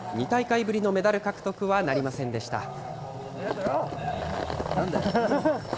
２大会ぶりのメダル獲得はなりませんでした。